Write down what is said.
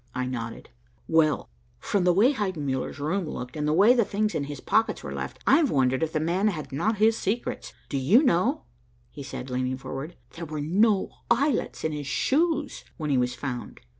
I nodded. "Well, from the way Heidenmuller's room looked, and the way the things in his pockets were left, I've wondered if the man had not his secrets. Do you know," he said, leaning forward, "there were no eyelets in his shoes when he was found.